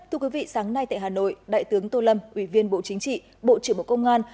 thưa quý vị sáng nay tại hà nội đại tướng tô lâm ủy viên bộ chính trị bộ trưởng bộ công an